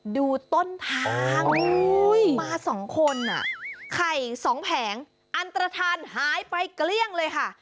ดูต้นทางมา๒คนไข่๒แผงอันตรฐานหายไปเกลี้ยงเลยค่ะ